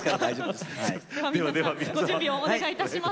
ではご準備をお願いいたします。